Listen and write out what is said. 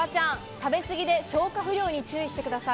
食べ過ぎで消化不良に注意してください。